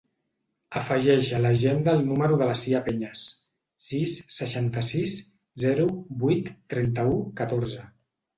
Afegeix a l'agenda el número de la Sia Peñas: sis, seixanta-sis, zero, vuit, trenta-u, catorze.